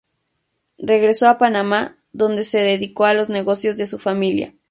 Regresó a Panamá, donde se dedicó a los negocios de su familia.